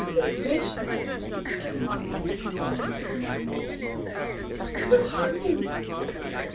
"Good gracious!" exclaimed the lady, staring at the young man. "Who are you?